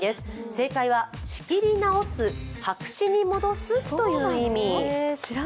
正解は、仕切り直す、白紙に戻すという意味。